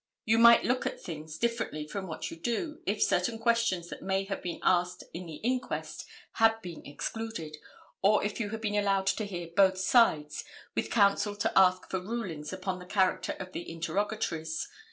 You might look at things differently from what you do, if certain questions that may have been asked in the inquest had been excluded, or if you had been allowed to hear both sides, with counsel to ask for rulings upon the character of the interrogatories.